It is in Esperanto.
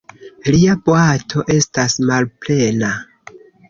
Lia boato estas malplena.